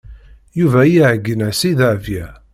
Yuba iɛeggen-as i Dahbiya.